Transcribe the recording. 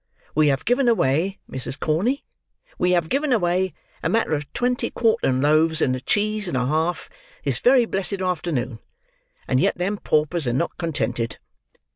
We have given away, Mrs. Corney, we have given away a matter of twenty quartern loaves and a cheese and a half, this very blessed afternoon; and yet them paupers are not contented."